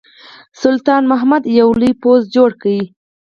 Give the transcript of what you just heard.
سلطان محمود یو لوی پوځ جوړ کړ.